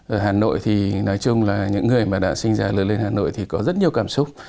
ở hà nội thì nói chung là những người mà đã sinh ra lớn lên hà nội thì có rất nhiều cảm xúc